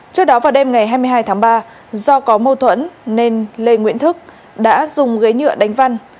trước đó vào đêm ngày hai mươi hai tháng ba do có mâu thuẫn nên lê nguyễn thức đã dùng ghế nhựa đánh văn